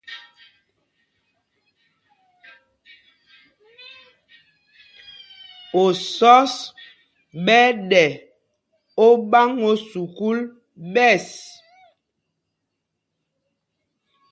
Osɔ́s ɓɛ́ ɛ́ ɗɛ óɓáŋ ō sukûl ɓěs.